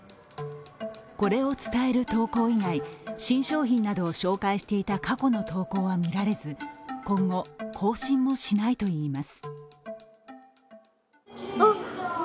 これを伝える投稿以外新商品などを紹介していた過去の投稿は見られず今後、更新もしないといいます。